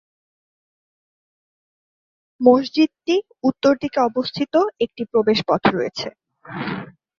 মসজিদটি উত্তর দিকে অবস্থিত একটি প্রবেশ পথ রয়েছে।